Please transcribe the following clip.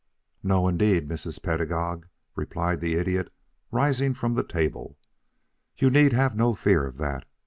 "No indeed, Mrs. Pedagog," replied the Idiot, rising from the table. "You need have no fear of that.